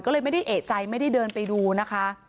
ก็เลยไม่ได้เอกใจไม่ได้เดินไปดูนะคะ